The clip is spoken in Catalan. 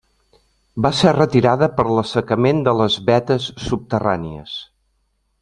Va ser retirada per l'assecament de les vetes subterrànies.